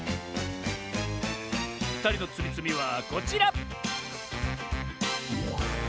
ふたりのつみつみはこちら！